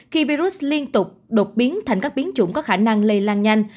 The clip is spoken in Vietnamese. khi virus liên tục đột biến thành các biến chủng có khả năng lây lan nhanh